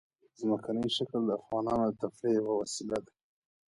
ځمکنی شکل د افغانانو د تفریح یوه وسیله ده.